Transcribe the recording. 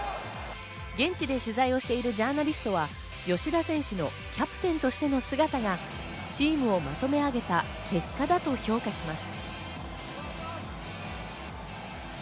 現地で取材をしているジャーナリストは吉田選手のキャプテンとしての姿が、チームをまとめ上げた結果だと評価します。